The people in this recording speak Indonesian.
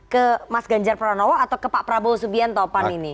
ke mas ganjar pranowo atau ke pak prabowo subianto pan ini